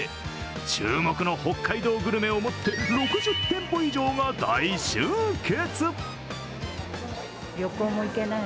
注目の北海道グルメをもって６０店舗以上が大集結。